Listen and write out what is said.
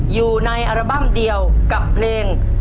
อยู่ในอัลบั้มเดียวกับเพลง